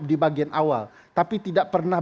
di bagian awal tapi tidak pernah